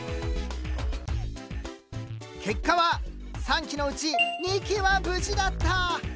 結果は３機のうち２機は無事だった。